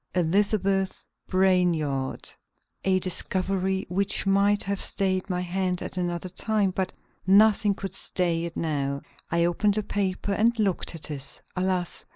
"Elizabeth Brainard" a discovery which might have stayed my hand at another time, but nothing could stay it now. I opened the paper and looked at it. Alas!